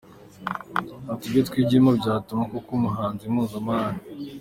Ati : “Ibyo twigiyemo byatuma uba koko umuhanzi mpuzamahanga.